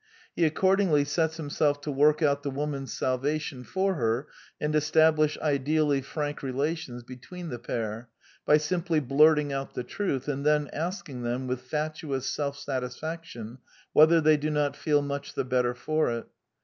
He accordingly sets himself to work but the woman's salvation for her, and establish ideally frank relations between the pair, by simply blurting oA the truth, and then asking them, with fatuous self satisfaction, whether they do not feel much the better for it.